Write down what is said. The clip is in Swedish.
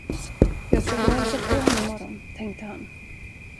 Jag skall gå och hälsa på henne i morgon, tänkte han.